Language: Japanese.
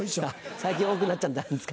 最近多くなっちゃったんですか。